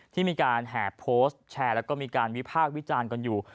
ที่มีการแห่โพสต์แชร์แล้วก็มีการวิพากษ์วิจารณ์กันอยู่